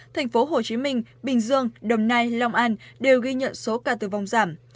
thành phố hồ chí minh bình dương đồng nai long an đều ghi nhận số ca tử vong giảm